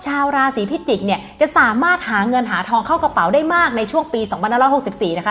ชาวราศีพิจิกษ์เนี่ยจะสามารถหาเงินหาทองเข้ากระเป๋าได้มากในช่วงปี๒๕๖๔นะคะ